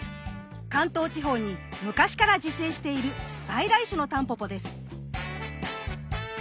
関東地方に昔から自生している在来種のタンポポです。